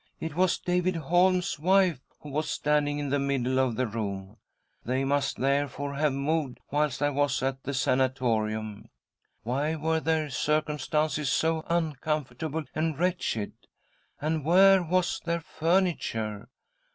It was David Holm's wife who was i standing in the middle of the room.. They must, therefore, have moved whilst I was at the sana torium. Why were their circumstances so uncom fortable and wretched ? And where was their furniture